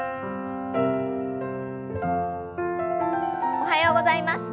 おはようございます。